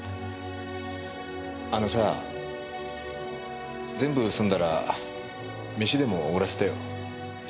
あのさ全部済んだらメシでもおごらせてよ。